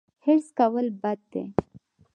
حرص کول بد دي